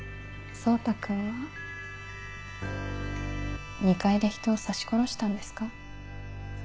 蒼汰君は２階で人を刺し殺したんですか？